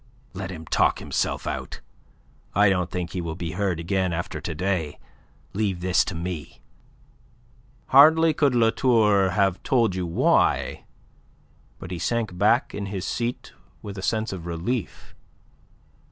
"Let him talk himself out. I don't think he will be heard again after to day. Leave this to me." Hardly could La Tour have told you why, but he sank back in his seat with a sense of relief.